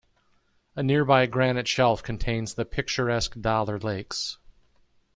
A nearby granite shelf contains the picturesque Dollar Lakes.